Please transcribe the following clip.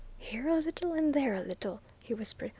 "Here a little, and there a little!" he whispered.